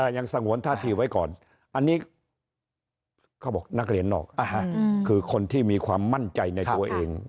ยังสงวนท่าทีไว้ก่อนอันนี้เขาบอกนักเรียนนอกคือคนที่มีความมั่นใจในตัวเอง